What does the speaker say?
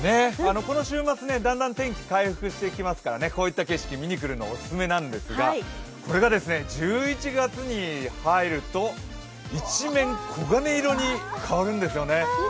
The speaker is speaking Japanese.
この週末、だんだん天気回復していきますからこういった景色、見に来るの、お勧めなんですが、これが１１月に入ると一面、黄金色に変わるんですよね。